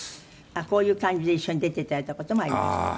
あっこういう感じで一緒に出ていただいた事もありました。